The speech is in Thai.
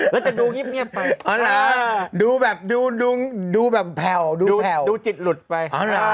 แล้วจะดูงิบเนี่ยมไปดูแบบแผ่วดูจิตหลุดไป